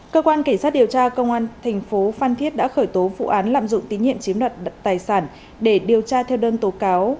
cơ quan cảnh sát điều tra công an thành phố phan thiết đã khởi tố vụ án lạm dụng tín nhiệm chiếm đoạt tài sản để điều tra theo đơn tố cáo